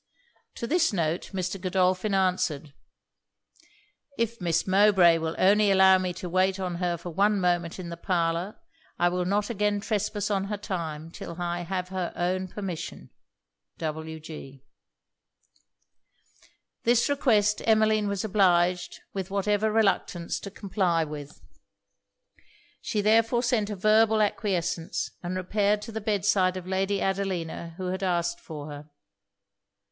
To this note, Mr. Godolphin answered 'If Miss Mowbray will only allow me to wait on her for one moment in the parlour, I will not again trespass on her time till I have her own permission. W. G.' This request, Emmeline was obliged, with whatever reluctance, to comply with. She therefore sent a verbal acquiescence; and repaired to the bed side of Lady Adelina, who had asked for her.